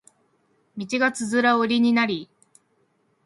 道がつづら折りになり